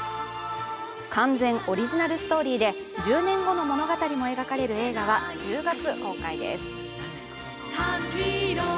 完全オリジナルストーリーで１０年後の物語が描かれる映画は１０月公開です。